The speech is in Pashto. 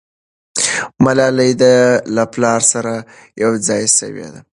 ملالۍ له پلاره سره یو ځای سوې ده.